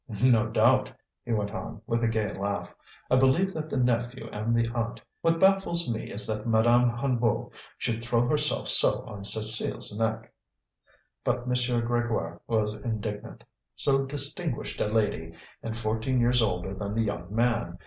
"No doubt!" he went on, with a gay laugh. "I believe that the nephew and the aunt What baffles me is that Madame Hennebeau should throw herself so on Cécile's neck." But M. Grégoire was indignant. So distinguished a lady, and fourteen years older than the young man!